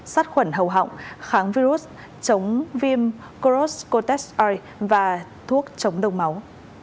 sát khuẩn hầu hỏng kháng virus chống viêm coronavirus và thuốc chống đông máu